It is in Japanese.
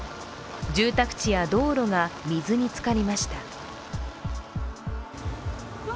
住宅地や道路が水につかりました。